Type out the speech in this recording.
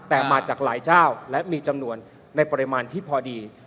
แต่มาจากหลายเจ้าและมีจำนวนในปริมาณที่พอดี